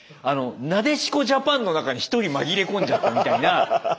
なでしこジャパンの中に一人紛れ込んじゃったみたいな。